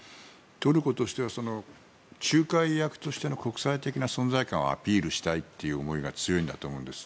トルコとしては仲介役としての国際的な存在感をアピールしたいという思いが強いんだと思うんです。